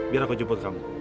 biar aku jemput kamu